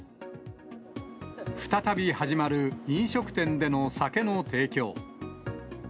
再び始まる飲食店での酒の提供。